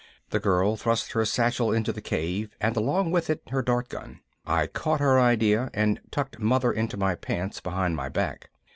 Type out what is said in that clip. The girl thrust her satchel into the cave and along with it her dart gun. I caught her idea and tucked Mother into my pants behind my back.